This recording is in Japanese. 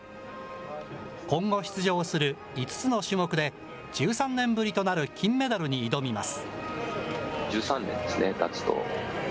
今後、出場する５つの種目で、１３年ぶりとなる金メダルに挑みます。